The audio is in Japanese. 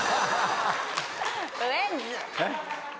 えっ？